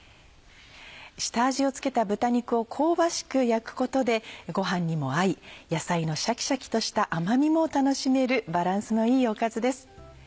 下味を付けた豚肉を香ばしく焼くことでご飯にも合い野菜のシャキシャキとした甘みも楽しめるバランスのいいおかずです。